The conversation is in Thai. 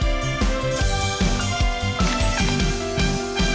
อย่าล้มปิบ